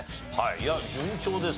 いや順調ですよ。